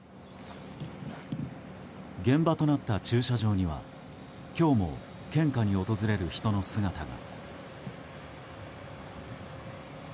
現場となった駐車場には今日も献花に訪れる人の姿が。